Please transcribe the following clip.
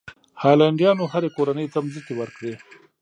هالنډیانو هرې کورنۍ ته ځمکې ورکړې.